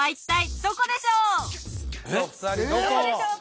どこでしょうか？